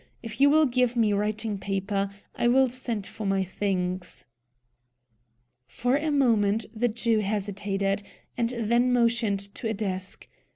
If you will give me writing paper, I will send for my things." For a moment the Jew hesitated, and then motioned to a desk.